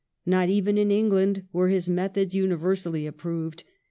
Not even in England were his methods universally approved.